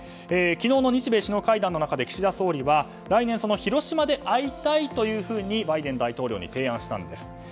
昨日の日米首脳会談の中で岸田総理は来年、広島で会いたいとバイデン大統領に提案したんです。